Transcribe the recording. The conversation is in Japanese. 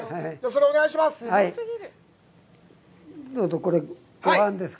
それをお願いします。